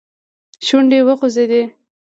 شونډې وخوځېدې.